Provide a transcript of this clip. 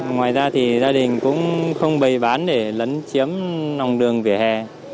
ngoài ra thì gia đình cũng không bày bán để lấn chiếm lòng đường vỉa hè